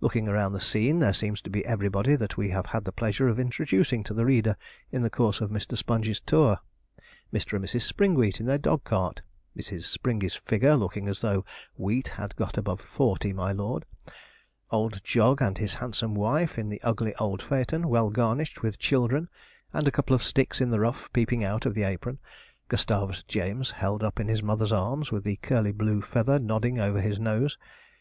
Looking around the scene there seems to be everybody that we have had the pleasure of introducing to the reader in the course of Mr. Sponge's Tour. Mr. and Mrs. Springwheat in their dog cart, Mrs. Springey's figure looking as though 'wheat had got above forty, my lord'; old Jog and his handsome wife in the ugly old phaeton, well garnished with children, and a couple of sticks in the rough peeping out of the apron, Gustavus James held up in his mother's arms, with the curly blue feather nodding over his nose.